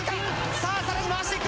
さあ、さらに回していく。